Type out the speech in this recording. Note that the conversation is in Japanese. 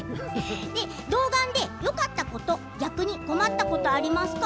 童顔でよかったこと逆に困ったことありますか。